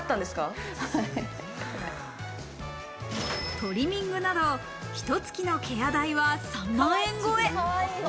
トリミングなど、ひと月のケア代は３万円超え。